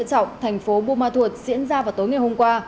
trọng thành phố buôn ma thuột diễn ra vào tối ngày hôm qua